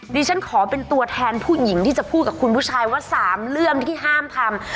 ดิฉันขอเป็นตัวแทนผู้หญิงที่จะพูดกับคุณผู้ชายว่า๓เรื่องที่ห้ามทำ